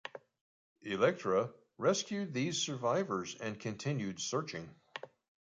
"Electra" rescued these survivors, and continued searching.